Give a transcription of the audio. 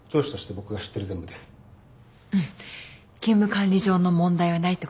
勤務管理上の問題はないってことも分かった。